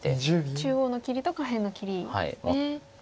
中央の切りと下辺の切りですね。